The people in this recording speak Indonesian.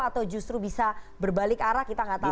atau justru bisa berbalik arah kita nggak tahu